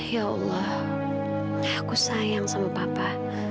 ya allah aku sayang sama papa